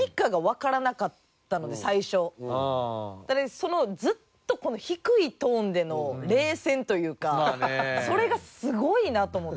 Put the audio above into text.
そのずっとこの低いトーンでの冷戦というかそれがすごいなと思って。